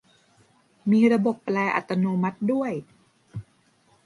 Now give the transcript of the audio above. มีระบบแปลอัตโนมัติด้วย !